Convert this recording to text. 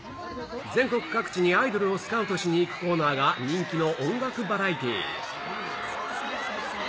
全国各地にアイドルをスカウトしに行くコーナーが人気の音楽バラエティー。